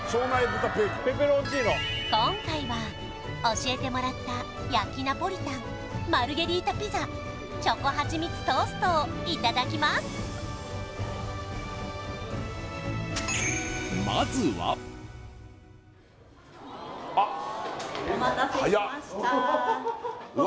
今回は教えてもらった焼きナポリタンマルゲリータピザチョコはちみつトーストをいただきますあっ早っお待たせしましたうわ